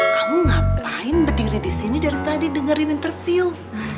kamu ngapain berdiri disini dari tadi dengerin interview